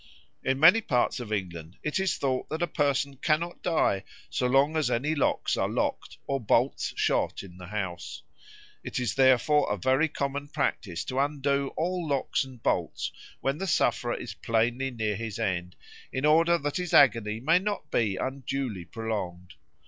In many parts of England it is thought that a person cannot die so long as any locks are locked or bolts shot in the house. It is therefore a very common practice to undo all locks and bolts when the sufferer is plainly near his end, in order that his agony may not be unduly prolonged.